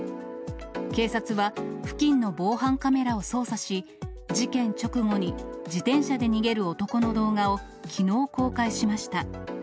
警察は付近の防犯カメラを捜査し、事件直後に、自転車で逃げる男の動画をきのう公開しました。